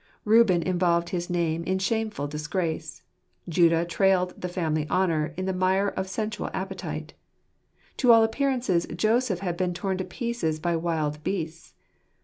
Reuben involved his name in shameful disgrace. Judah trailed the family honour in the mire of sensual appetite. To all appearance Joseph had been torn to pieces by wild beasts.